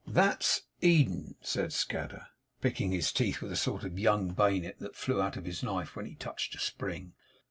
'That's Eden,' said Scadder, picking his teeth with a sort of young bayonet that flew out of his knife when he touched a spring.